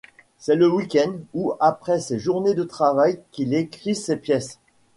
C'est le week-end ou après ses journées de travail qu'il écrit ses pièces.